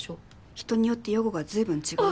人によって予後が随分違う。